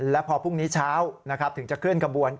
และพอพรุ่งนี้เช้าถึงจะเคลื่อนกระบวน